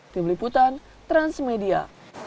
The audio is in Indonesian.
di beliputan transmedia